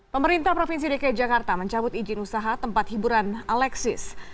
pemerintah provinsi dki jakarta mencabut izin usaha tempat hiburan alexis